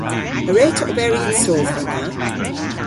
A wre'ta oberi y'n sodhva na?